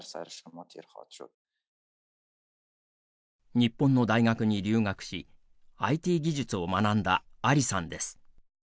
日本の大学に留学しＩＴ技術を学んだアリさんです。